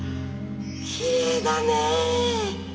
きれいだねえ！